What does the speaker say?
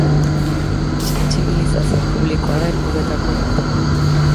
Sentsibilizazio publikoa da helburuetako bat.